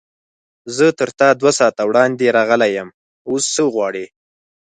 زه تر تا دوه ساعته وړاندې راغلی یم، اوس څه غواړې؟